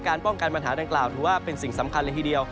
ป้องกันปัญหาดังกล่าวถือว่าเป็นสิ่งสำคัญเลยทีเดียว